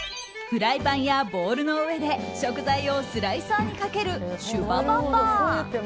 フライパンやボウルの上で食材をスライサーにかけるしゅばばばぁ。